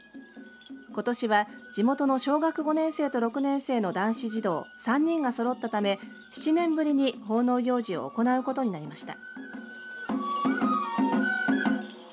ことしは地元の小学５年生と６年生の男子児童３人がそろったため７年ぶりに奉納行事を行うことになりました。